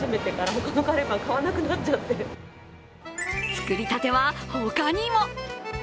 作りたては他にも。